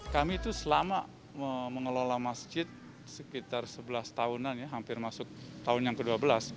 kami itu selama mengelola masjid sekitar sebelas tahunan ya hampir masuk tahun yang ke dua belas